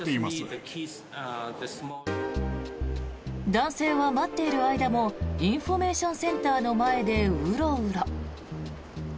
男性は待っている間もインフォメーションセンターの前で、ウロウロ。